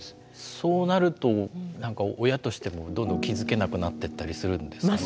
そうなるとなんか親としてもどんどん気付けなくなってったりするんですかね。